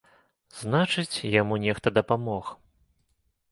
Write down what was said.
Значыць, яму нехта дапамог.